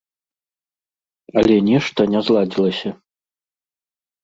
Але нешта не зладзілася.